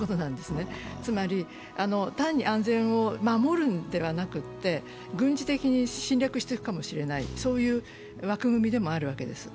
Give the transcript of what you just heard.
つまり単に安全を守るんではなくて軍事的に侵略していくかもしれない、そういう枠組みでもあるわけです。